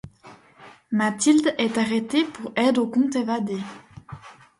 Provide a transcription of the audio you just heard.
Mathilde est arrêtée pour aide au comte évadé.